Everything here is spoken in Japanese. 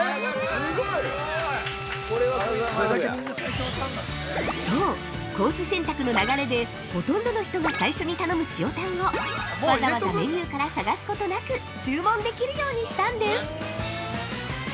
すごい！◆そう、コース選択の流れでほとんどの人が最初に頼む塩タンをわざわざメニューから探すことなく注文できるようにしたんです。